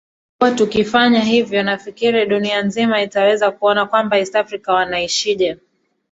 kuwa tukifanya hivyo nafikiri dunia zima itaweza kuona kwamba east afrika wanaishije